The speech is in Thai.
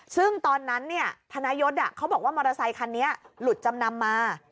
ซึ่งตอนนั้นธนายศเขาบอกว่ามอเตอร์ไซคันนี้หลุดจำนำมา